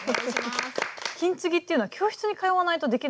金継ぎっていうのは教室に通わないとできないものなんですかね？